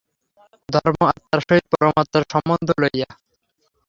ধর্ম আত্মার সহিত পরমাত্মার সম্বন্ধ লইয়া।